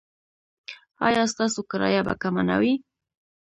ایا ستاسو کرایه به کمه نه وي؟